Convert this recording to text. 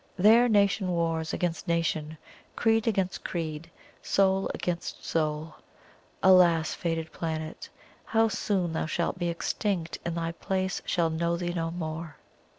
There, nation wars against nation, creed against creed, soul against soul. Alas, fated planet! how soon shalt thou be extinct, and thy place shall know thee no more!"